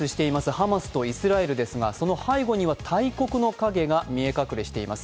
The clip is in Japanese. ハマスとイスラエルですが、その背後には大国の影が見え隠れしています。